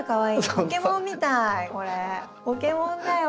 ポケモンだよ。